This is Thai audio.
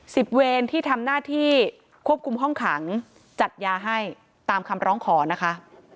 เวรที่ทำหน้าที่ควบคุมห้องขังจัดยาให้ตามคำร้องขอนะคะ